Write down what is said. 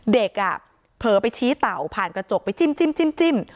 เผลอไปชี้เต่าผ่านกระจกไปจิ้ม